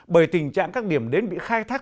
về tình trạng các điểm đến bị khai thác